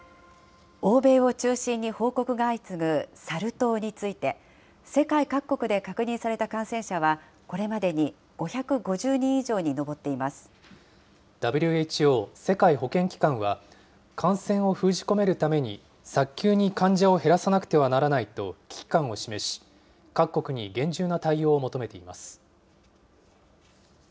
欧米を中心に報告が相次ぐサル痘について、世界各国で確認された感染者は、これまでに５５０人以上に上ってＷＨＯ・世界保健機関は、感染を封じ込めるために、早急に患者を減らさなくてはならないと危機感を示し、各国に厳重な対応を求めています。